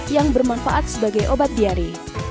yang bermanfaat sebagai obat diare